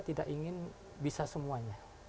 tidak ingin bisa semuanya